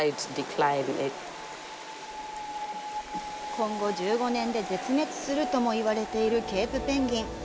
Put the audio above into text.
今後１５年で絶滅するともいわれているケープペンギン。